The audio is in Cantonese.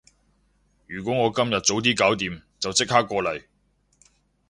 如果我今日早啲搞掂，就即刻過嚟